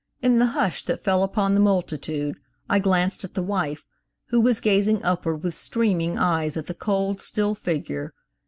In the hush that fell upon the multitude, I glanced at the wife, who was gazing upward with streaming eyes at the cold, still figure.